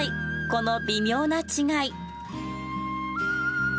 この微妙な違い。